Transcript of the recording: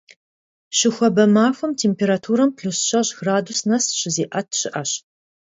Щыхуабэ махуэм температурам плюс щэщӏ градус нэс щызиӀэт щыӀэщ.